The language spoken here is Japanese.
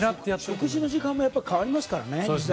食事の時間もやっぱり変わりますからね。